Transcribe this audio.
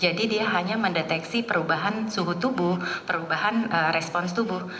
jadi dia hanya mendeteksi perubahan suhu tubuh perubahan respons tubuh